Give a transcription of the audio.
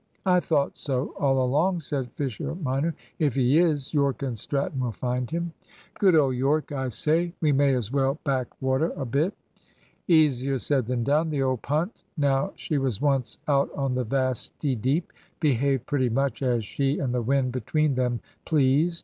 "I thought so all along," said Fisher minor. "If he is, Yorke and Stratton will find him." "Good old Yorke! I say we may as well back water a bit." Easier said than done. The old punt, now she was once out on the vasty deep, behaved pretty much as she and the wind between them pleased.